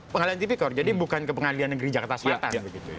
pengadilan tipikor jadi bukan ke pengadilan negeri jakarta selatan